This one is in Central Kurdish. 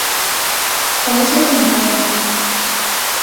ئەوە زۆر منداڵانەیە.